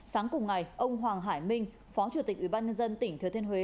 sáng cùng ngày ông hoàng hải minh phó chủ tịch ubnd tỉnh thừa thiên huế